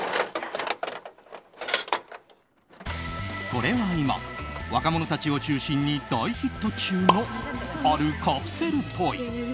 これは今、若者たちを中心に大ヒット中の、あるカプセルトイ。